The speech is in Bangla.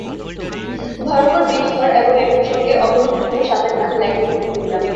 ভয়ংকর বিষধর এবং একই সঙ্গে অপরূপ সুন্দর সাপের নাম ল্যাকেসিস মিউটা।